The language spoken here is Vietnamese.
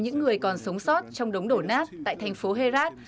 những người còn sống sót trong đống đổ nát tại thành phố herat